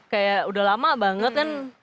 kayak udah lama banget kan